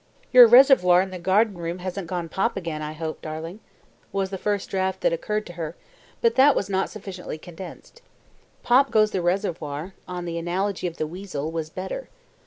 "Your reservoir in the garden room hasn't gone 'pop' again, I hope, darling?" was the first draft that occurred to her, but that was not sufficiently condensed. "Pop goes the reservoir", on the analogy of the weasel, was better.